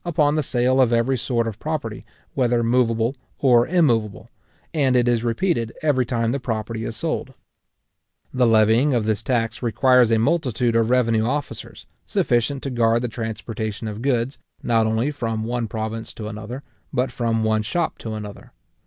upon the sale of every sort of property whether moveable or immoveable; and it is repeated every time the property is sold. {Memoires concernant les Droits, etc. tom. i, p. 15} The levying of this tax requires a multitude of revenue officers, sufficient to guard the transportation of goods, not only from one province to another, but from one shop to another.